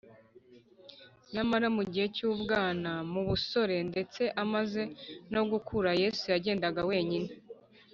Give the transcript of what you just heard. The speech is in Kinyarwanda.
Nyamara mu gihe cy’ubwana, mu busore, ndetse amaze no gukura, Yesu yagendaga wenyine.